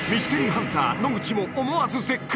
ハンター野口も思わず絶句